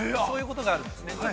そういうことがあるんですね。